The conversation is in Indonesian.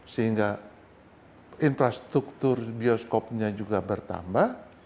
sehingga infrastruktur bioskopnya juga bertambah